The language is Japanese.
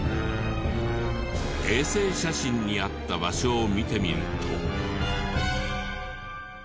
衛星写真にあった場所を見てみると。